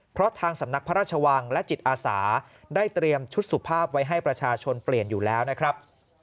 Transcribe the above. เพราะทางสำนักพระราชวังและจิตอาสาได้เตรียมชุดสุภาพไว้ให้ประชาชนเปลี่ยนอยู่แล้วนะครับ